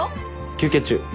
休憩中。